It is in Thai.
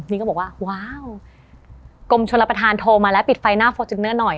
นี่ก็บอกว่าว้าวความสุขกรมชนรับประธานโทรมาแล้วปิดไฟหน้าโฟชุนเนอร์หน่อย